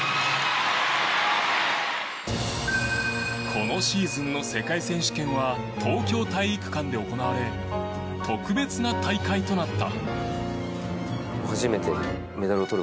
このシーズンの世界選手権は東京体育館で行われ特別な大会となった。